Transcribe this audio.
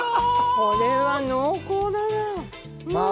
これは濃厚だなあ。